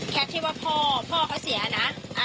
แคทที่ว่าพ่อเขาเสียนะ